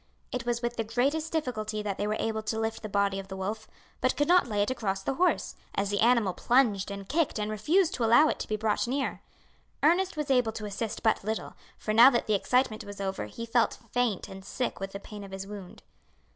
It was with the greatest difficulty that they were able to lift the body of the wolf, but could not lay it across the horse, as the animal plunged and kicked and refused to allow it to be brought near. Ernest was able to assist but little, for now that the excitement was over he felt faint and sick with the pain of his wound.